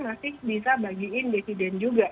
masih bisa bagiin dividen juga